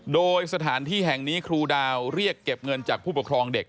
โดยสถานที่แห่งนี้ครูดาวเรียกเก็บเงินจากผู้ปกครองเด็ก